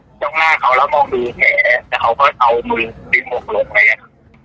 ผมก็เลยย้องหน้าเขาแล้วมองดูแผนแต่เขาก็เศร้ามือดึงหกหลงอะไรอย่างเงี้ยครับ